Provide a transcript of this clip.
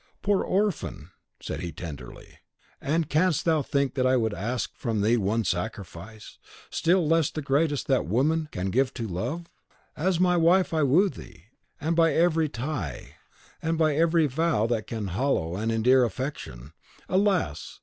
"Poor orphan!" said he, tenderly, "and canst thou think that I ask from thee one sacrifice, still less the greatest that woman can give to love? As my wife I woo thee, and by every tie, and by every vow that can hallow and endear affection. Alas!